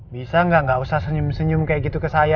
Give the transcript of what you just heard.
bisa nggak usah senyum senyum kayak gitu ke saya